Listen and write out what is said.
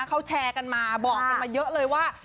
เขาแชร์กันมาบอกกันมาเยอะเลยว่า